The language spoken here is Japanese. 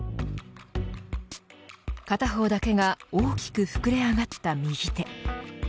片方だけが大きく膨れ上がった右手。